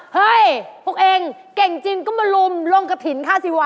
เฮ้ยพวกเองเก่งจริงก็มาลุมลงกระถิ่นค่ะสิวะ